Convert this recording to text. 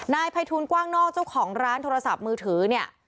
นายภัยทูลกว้างนอกเจ้าของร้านโทรศัพท์มือถือเนี่ย